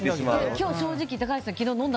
今日、正直、高橋さん